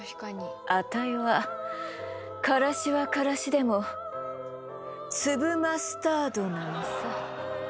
あたいはからしはからしでも粒マスタードなのさ。